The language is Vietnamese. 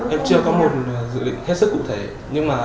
em chưa có một dự định hết sức cụ thể